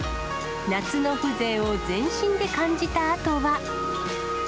夏の風情を全身で感じたあとは。